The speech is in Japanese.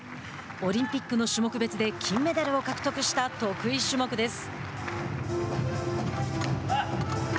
オリンピックの種目別で金メダルを獲得した得意種目です。